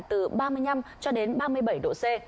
từ ba mươi năm cho đến ba mươi bảy độ c